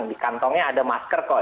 di kantongnya ada masker